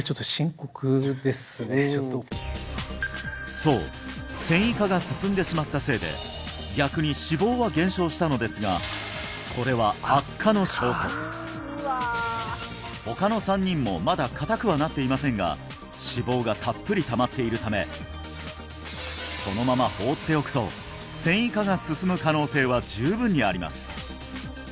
そう線維化が進んでしまったせいで逆に脂肪は減少したのですがこれは悪化の証拠他の３人もまだ硬くはなっていませんが脂肪がたっぷりたまっているためそのまま放っておくと線維化が進む可能性は十分にあります